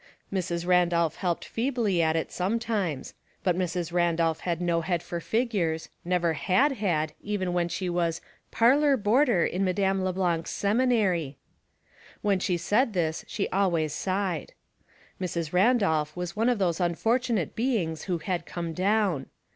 Mrs. Randolph helped ''Split Things:' 11 feebly at it sometimes, but Mrs. Randolph had no head for figures, never had had even when she was " parlor border in Madame La Blaiic'a seminary." When she said this she always sighed. Mrs. Randolph was one of those unfor tunate beings who had come down.